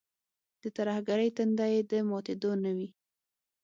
د ترهګرۍ تنده یې د ماتېدو نه وي.